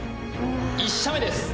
１射目です！